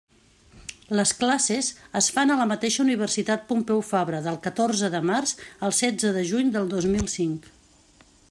Les classes es fan a la mateixa Universitat Pompeu Fabra del catorze de març al setze de juny del dos mil cinc.